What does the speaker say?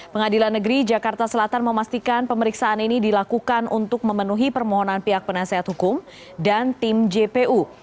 pengadilan negeri jakarta selatan memastikan pemeriksaan ini dilakukan untuk memenuhi permohonan pihak penasehat hukum dan tim jpu